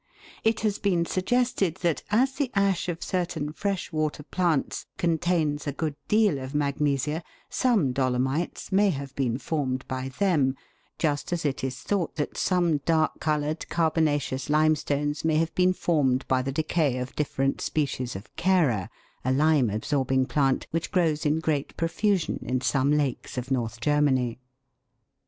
It has been suggested that, as the ash of cer tain fresh water plants contains a good deal of magnesia, some dolomites may have been formed by them, just as it is thought that some dark coloured, carbonaceous limestones may have been formed by the decay of different species of Chara, a lime absorbing plant, which grows in great profusion in some lakes of North Germany.